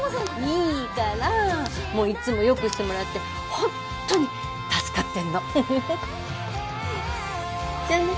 いいからいつもよくしてもらってホンットに助かってんのじゃあね